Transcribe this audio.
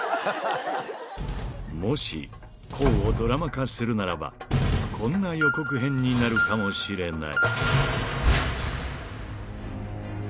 もし康をドラマ化するならば、こんな予告編になるかもしれない。